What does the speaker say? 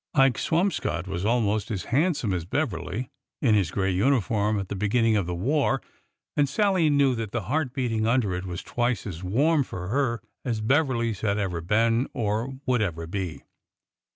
Ike Swamscott was almost as handsome as Beverly in his gray uniform at the beginning of the war, and Sallie knew that the heart beating under it was twice as warm for her as Beverly's had ever been or would ever be.